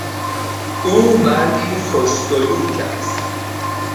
او مردی خوش سلوک است.